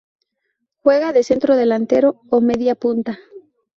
Juega de centro delantero o media punta.